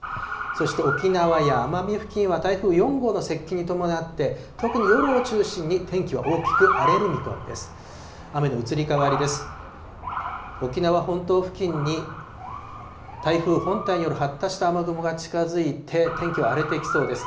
そして沖縄や奄美付近は台風４号の接近に伴って、特に夜を中心に天気は大きく荒れる見込みです。